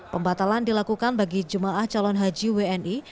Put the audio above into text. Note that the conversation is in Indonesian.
pembatalan dilakukan bagi jemaah calon haji wni